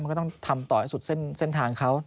มันก็ต้องทำต่อให้สุดเส้นทางเขา